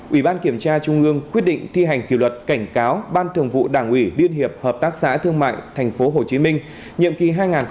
ủy ban kiểm tra trung ương quyết định thi hành kiểu luật cảnh cáo ban thường vụ đảng ủy điên hiệp hợp tác xã thương mại tp hcm nhiệm kỳ hai nghìn một mươi năm hai nghìn hai mươi